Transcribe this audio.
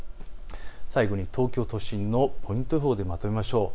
最後に東京都心のポイント予報でまとめましょう。